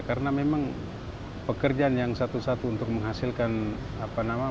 karena memang pekerjaan yang satu satu untuk menghasilkan apa namanya